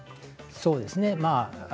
そうですね。